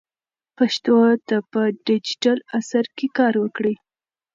پښتو ته په ډیجیټل عصر کې کار وکړئ.